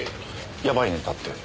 やばいネタって？